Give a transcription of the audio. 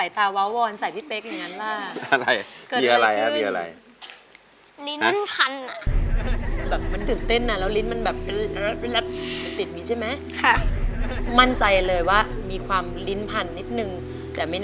ช่างพศนั้นเป็นไรแต่หัวใจฉันไม่เปลี่ยนตาม